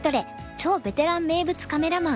超ベテラン名物カメラマン」。